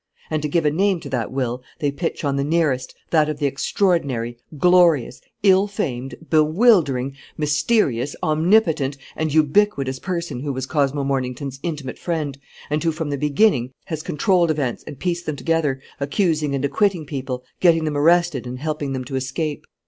And to give a name to that will, they pitch on the nearest, that of the extraordinary, glorious, ill famed, bewildering, mysterious, omnipotent, and ubiquitous person who was Cosmo Mornington's intimate friend and who, from the beginning, has controlled events and pieced them together, accusing and acquitting people, getting them arrested, and helping them to escape.